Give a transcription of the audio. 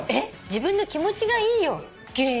自分の気持ちがいいよ。